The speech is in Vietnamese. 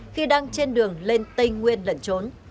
khi đang trên đường lên tây nguyên lẩn trốn